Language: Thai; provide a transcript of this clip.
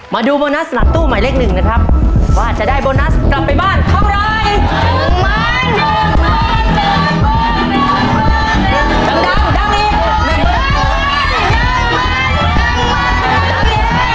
มาดูโบนัสหลังตู้หมายเลขหนึ่งนะครับว่าจะได้โบนัสกลับไปบ้านเท่าไร